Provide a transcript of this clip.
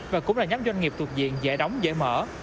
và cũng là nhóm doanh nghiệp thuộc diện dễ đóng dễ mở